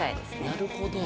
なるほど。